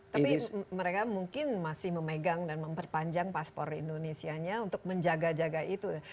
tapi mereka mungkin masih memegang dan memperpanjang paspor indonesia nya untuk menjaga jaga itu